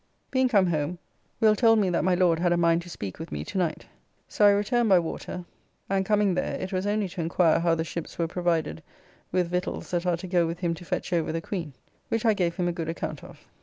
Being come home, Will. told me that my Lord had a mind to speak with me to night; so I returned by water, and, coming there, it was only to enquire how the ships were provided with victuals that are to go with him to fetch over the Queen, which I gave him a good account of.